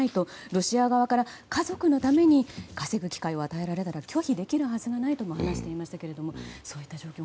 ロシア側から、家族のために稼ぐ機会を与えられたら拒否できるはずがないともおっしゃっていましたけれどもそういった状況